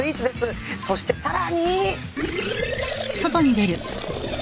そしてさらに。